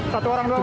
satu orang doang